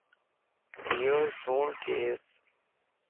ايو سوڻ ڪيسَ